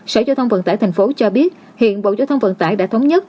sở giao thông vận tải tp hcm cho biết hiện bộ giao thông vận tải đã thống nhất